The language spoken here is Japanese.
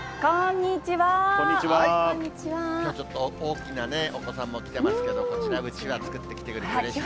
きょうちょっと、大きなお子さんも来てますけど、うちわ作ってきてくれてうれしいです。